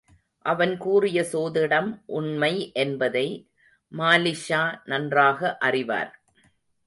அவன் கூறிய சோதிடம் உண்மை என்பதை மாலிக்ஷா நன்றாக அறிவார்.